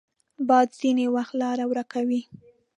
باد ځینې وخت لاره ورکوي